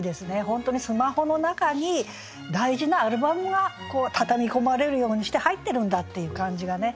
本当にスマホの中に大事なアルバムがたたみ込まれるようにして入ってるんだっていう感じがね。